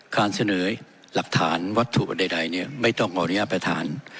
การเสนอหลักฐานวัตถุใดเนี่ยไม่ต้องขออนุญาตประธาน